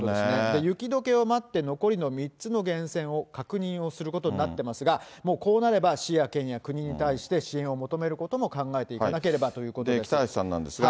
雪どけを待って、残りの３つの源泉を確認をすることになってますが、こうなれば市や国に対して支援を求めることも考えていかなければ北橋さんなんですが。